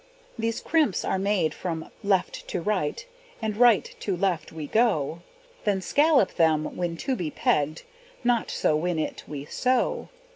These crimps are made from left to right, And right to left we go; Then scallop them, when to be pegged, Not so when it we sew.